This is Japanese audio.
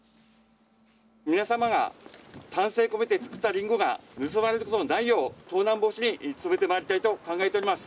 皆さまが丹精込めて作ったりんごが盗まれることのないよう盗難防止に努めてまいりたいと考えております。